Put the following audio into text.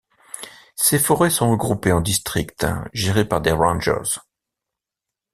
Ces forêts sont regroupées en districts gérés par des rangers.